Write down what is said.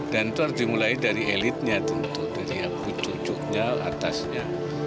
dan itu harus dimulai dari elitnya tentu dari yang kucuk kucuknya atasnya